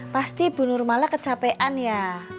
pasti bunur malah kecapean ya